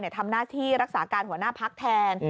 เนี่ยทำหน้าที่รักษาการหัวหน้าภักษ์แทน